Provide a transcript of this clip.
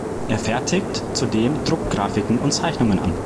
Er fertigt zudem Druckgrafiken und Zeichnungen an.